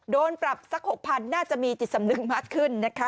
โดนปรับสัก๖๐๐น่าจะมีจิตสำนึกมากขึ้นนะคะ